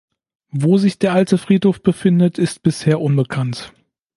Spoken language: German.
Wo sich der alte Friedhof befindet, ist bisher unbekannt.